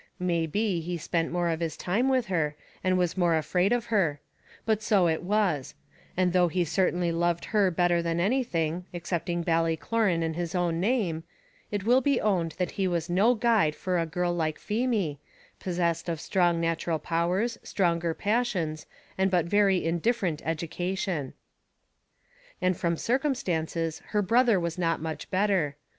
May be he spent more of his time with her, and was more afraid of her; but so it was; and though he certainly loved her better than anything, excepting Ballycloran and his own name, it will be owned that he was no guide for a girl like Feemy, possessed of strong natural powers, stronger passions, and but very indifferent education. And from circumstances her brother was not much better.